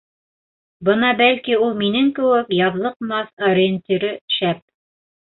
Бына бәлки ул минең кеүек яҙлыҡмаҫ, ориентиры шәп.